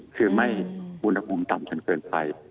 คือไม่อุณหภูมิต่ำจนเกินไป